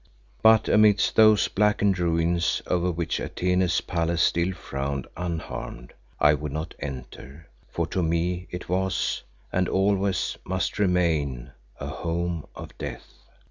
But amidst those blackened ruins over which Atene's palace still frowned unharmed, I would not enter, for to me it was, and always must remain, a home of death.